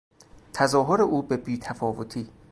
تظاهر او به بیتفاوتی